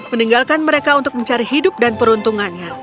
meninggalkan mereka untuk mencari hidup dan peruntungannya